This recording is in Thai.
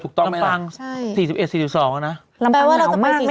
ถูกต้องไหมน่ะใช่สี่สิบเอ็ดสี่สิบสองอ่ะนะแปลว่าเราจะไปกินสาม